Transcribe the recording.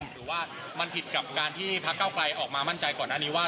หรือว่ามันผิดกับการที่พักเก้าไกลออกมามั่นใจก่อนหน้านี้ว่า